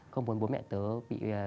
không muốn bố mẹ tớ bị